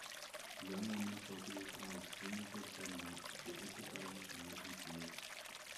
A young woman focuses on the screen of her treadmill as she exercises and listens to music.